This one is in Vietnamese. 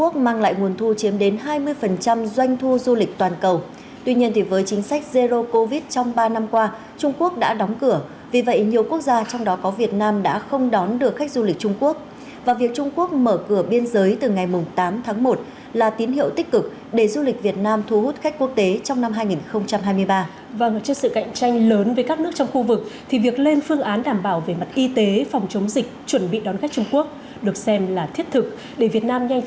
các bạn hãy đăng ký kênh để ủng hộ kênh của chúng mình nhé